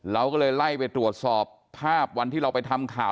เราก็เลยไล่ไปตรวจสอบภาพวันที่เราไปทำข่าว